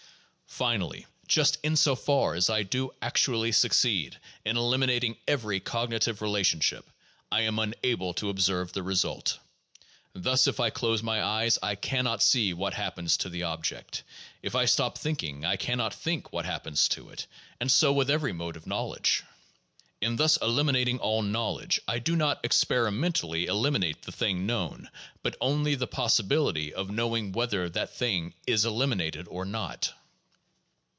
Finally, just in so far as I do actually succeed in eliminating every cognitive relationship, I am unable to observe the result. Thus if I close my eyes I can not see what happens to the object ; if I stop thinking I can not think what happens to it ; and so with every mode of knowledge. In thus eliminating all knowledge I do not experi mentally eliminate the thing known, but only the possibility of know ing whether that thing is eliminated or not.